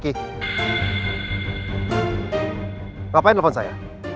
kenapa yang telfon saya